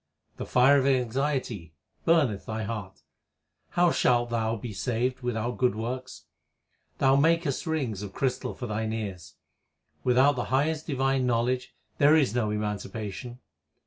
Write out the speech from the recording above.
The fire of anxiety burneth thy heart How shalt thou be saved without good works ? Thou makest rings of crystal for thine ears. Without the highest divine knowledge there is no emanci pation.